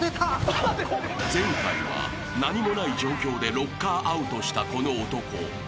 ［前回は何もない状況でロッカーアウトしたこの男］